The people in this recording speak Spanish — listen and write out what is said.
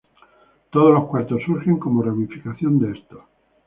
Todos los cuartos surgen como ramificación de estos.